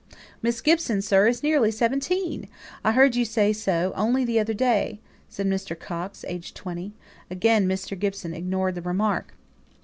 "Miss Gibson, sir, is nearly seventeen! I heard you say so only the other day," said Mr. Coxe, aged twenty. Again Mr. Gibson ignored the remark.